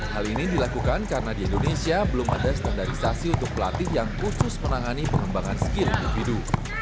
hal ini dilakukan karena di indonesia belum ada standarisasi untuk pelatih yang khusus menangani pengembangan skill individu